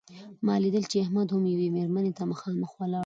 ما لیدل چې احمد هم یوې مېرمنې ته مخامخ ولاړ و.